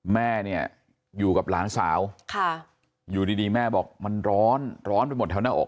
แม่เนี่ยอยู่กับหลานสาวอยู่ดีแม่บอกมันร้อนร้อนไปหมดแถวหน้าอก